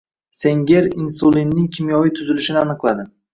Senger insulinning kimyoviy tuzilishini aniqladi